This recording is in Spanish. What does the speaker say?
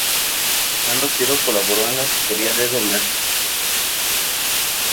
Fernando Siro colaboró en la asesoría de doblaje.